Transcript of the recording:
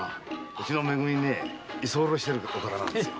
うちのめ組に居候してるお方なんですよ。